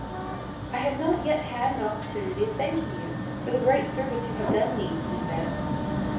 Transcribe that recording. "I have not yet had an opportunity of thanking you for the great service you have done me," he said.